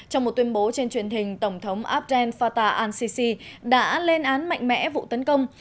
trong một tuyên bố trên truyền hình tổng thống abdel fatah al sisi đã lên án mạnh mẽ vụ tấn công